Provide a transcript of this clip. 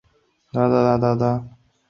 还要还要追加十几分钟